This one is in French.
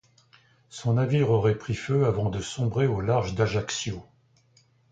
Son navire aurait pris feu avant de sombrer au large d'Ajaccio.